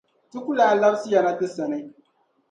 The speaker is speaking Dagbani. Ti ku lahi labsi ya na ti sani.